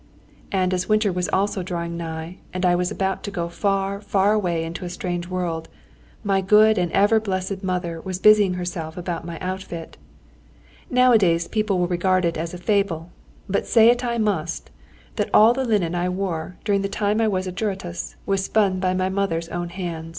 And as winter was also drawing nigh, and I was about to go far, far away into a strange world, my good and ever blessed mother was busying herself about my outfit. Nowadays people will regard it as a fable, but say it I must, that all the linen I wore during the time when I was a juratus was spun by my mother's own hands.